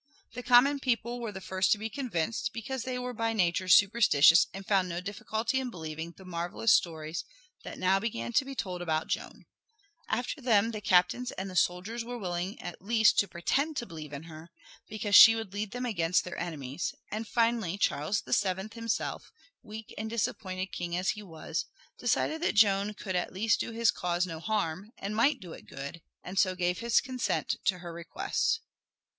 The common people were the first to be convinced, because they were by nature superstitious and found no difficulty in believing the marvelous stories that now began to be told about Joan; after them the captains and the soldiers were willing at least to pretend to believe in her because she would lead them against their enemies; and finally Charles VII himself, weak and disappointed king as he was, decided that Joan could at least do his cause no harm, and might do it good, and so gave his consent to her requests.